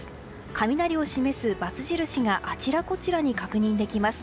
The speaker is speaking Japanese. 雷を示すバツ印があちらこちらに確認できます。